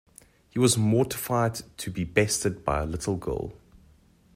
He was mortified to be bested by a little girl.